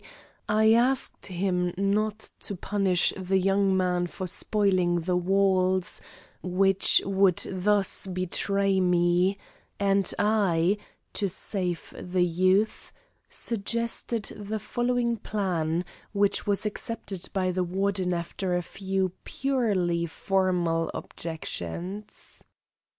I asked him not to punish the young man for spoiling the walls, which would thus betray me, and I, to save the youth, suggested the following plan, which was accepted by the Warden after a few purely formal objections.